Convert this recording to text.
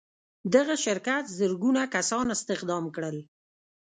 دغه شرکت زرګونه کسان استخدام کړل